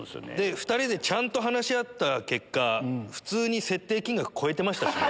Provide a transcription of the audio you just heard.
２人でちゃんと話し合った結果普通に設定金額超えてました。